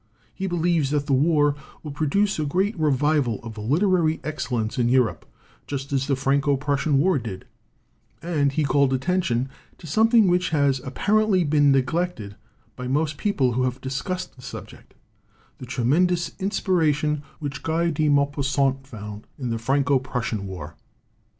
He believes that the war will produce a great revival of literary excellence in Europe, just as the Franco Prussian War did; and he called attention to something which has apparently been neglected by most people who have discussed the subject the tre mendous inspiration which Guy de Maupassant found in the Franco Prussian War.